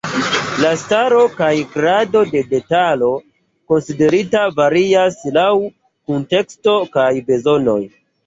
La skalo kaj grado de detalo konsiderita varias laŭ kunteksto kaj bezonoj.